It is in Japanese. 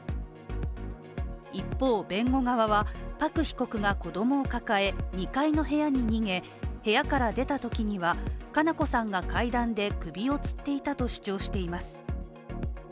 一方、弁護側は、パク被告が子供を抱え２階の部屋へ逃げ部屋から出たときには、佳菜子さんが階段で首をつっていたと主張しています。